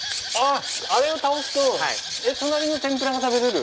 あれを倒すと隣の天ぷらが食べれる。